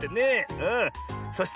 うん。